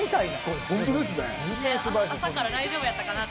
朝から大丈夫やったかな？と。